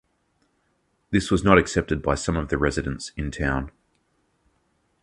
This was not accepted by some of the residents in town.